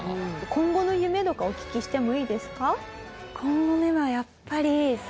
今後の夢とかお聞きしてもいいですか？